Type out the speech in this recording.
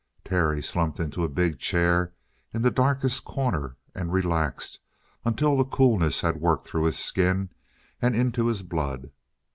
Terry slumped into a big chair in the darkest corner and relaxed until the coolness had worked through his skin and into his blood.